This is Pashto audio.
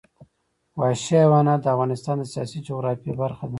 وحشي حیوانات د افغانستان د سیاسي جغرافیه برخه ده.